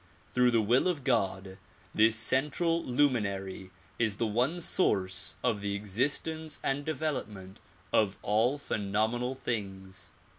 Through the will of God this central luminary is the one source of the existence and development of all phenomenal things.